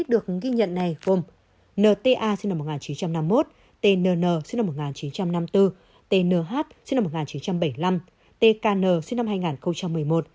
được ghi nhận này gồm nta sinh năm một nghìn chín trăm năm mươi một tn sinh năm một nghìn chín trăm năm mươi bốn tnh sinh năm một nghìn chín trăm bảy mươi năm tkn sinh năm hai nghìn một mươi một